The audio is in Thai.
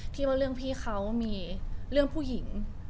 ว่าเรื่องพี่เขามีเรื่องผู้หญิง